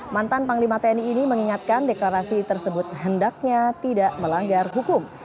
mantan panglima tni ini mengingatkan deklarasi tersebut hendaknya tidak melanggar hukum